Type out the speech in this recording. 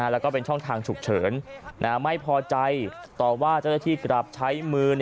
แล้วก็เป็นช่องทางฉุกเฉินไม่พอใจต่อว่าเจ้าหน้าที่กลับใช้มือ